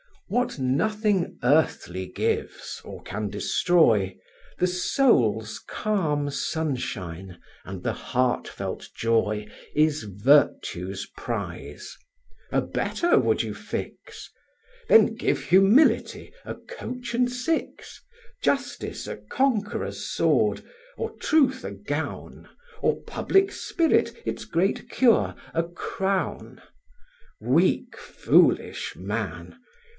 What nothing earthly gives, or can destroy, The soul's calm sunshine, and the heartfelt joy, Is virtue's prize: A better would you fix? Then give humility a coach and six, Justice a conqueror's sword, or truth a gown, Or public spirit its great cure, a crown. Weak, foolish man!